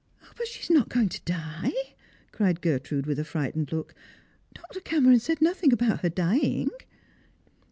" But she is not going to die," cried Gertrude, with a fright ened look; " Dr. rv^meron said nothing about her dying."